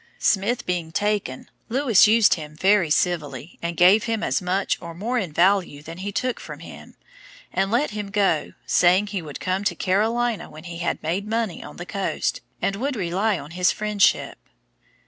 _] Smith being taken, Lewis used him very civilly, and gave him as much or more in value than he took from him, and let him go, saying, he would come to Carolina when he had made money on the coast, and would rely on his friendship.